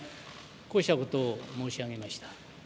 こうしたことを申し上げました。